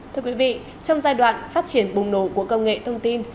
thưa quý vị trong giai đoạn phát triển bùng nổ của công nghệ thông tin